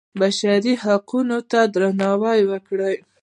بشري حقونو ته درناوی وکړئ